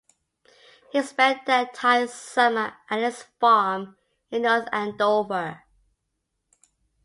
He spent the entire summer at his farm in North Andover.